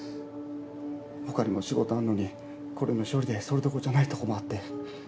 他にも仕事あんのにこれの処理でそれどころじゃないとこもあって。